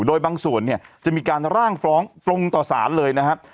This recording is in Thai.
โดยบางส่วนเนี่ยจะมีการร่างฟ้องตรงต่อสารเลยนะครับ